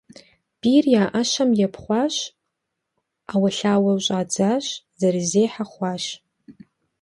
Бийр я Ӏэщэм епхъуащ Ӏэуэлъауэу щӀадзащ зэрызехьэ хъуащ.